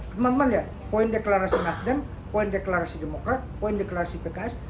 kemampuan ya poin deklarasi nasdem poin deklarasi demokrat poin deklarasi pks